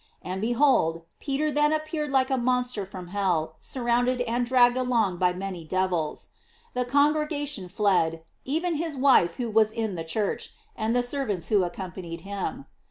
And, behold, Peter then appeared like a monster from hell, surrounded and dragged along by many devils. The con gregation fled, even his wife who was in the church, and the servants who accompanied him.